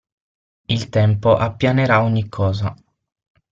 Il tempo appianerà ogni cosa.